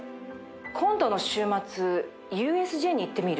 今度の週末ＵＳＪに行ってみる？